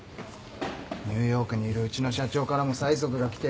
ニューヨークにいるうちの社長からも催促が来てる。